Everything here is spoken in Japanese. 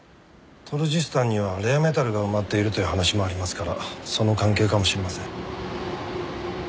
トルジスタンにはレアメタルが埋まっているという話もありますからその関係かもしれません。